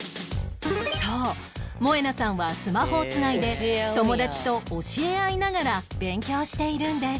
そう萌那さんはスマホを繋いで友達と教え合いながら勉強しているんです